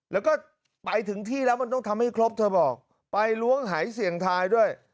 แล้วก็ไปถึงที่แล้วมันต้องทำให้ครบเธอบอกไปล้วงหายเสียงทายด้วย